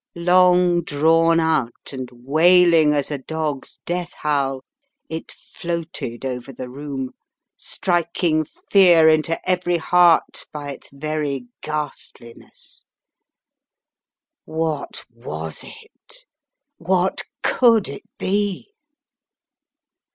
Long drawn out and wailing as a dog's death howl, it floated over the room, striking fear into every heart by its very ghastliness. What was it? What could it be?